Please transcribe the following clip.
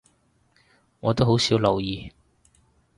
我都好少留意